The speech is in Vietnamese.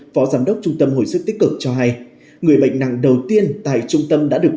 phó giám đốc trung tâm hồi sức tích cực cho hay người bệnh nặng đầu tiên tại trung tâm đã được